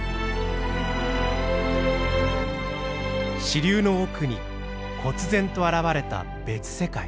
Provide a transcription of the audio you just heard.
支流の奥にこつ然と現れた別世界。